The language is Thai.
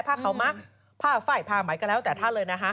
ผ้าเขามาผ้าไฟถ์ผ้าไมเอาออกแต่ถ้าเลย